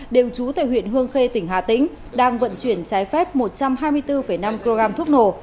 đều trú tại huyện hương khê tỉnh hà tĩnh đang vận chuyển trái phép một trăm hai mươi bốn năm kg thuốc nổ